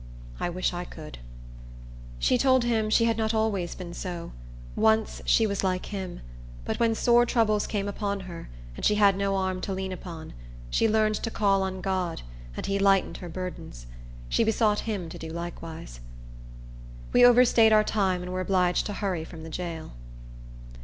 I wish I could." She told him she had not always been so; once, she was like him; but when sore troubles came upon her, and she had no arm to lean upon, she learned to call on God, and he lightened her burdens. She besought him to do likewise. We overstaid our time, and were obliged to hurry from the jail.